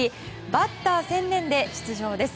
バッター専念で出場です。